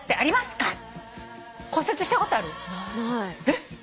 えっ！？